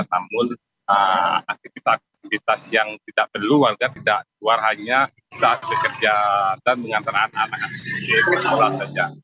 namun aktivitas aktivitas yang tidak perlu warga tidak keluar hanya saat bekerja dan mengantar anak anak di sekolah saja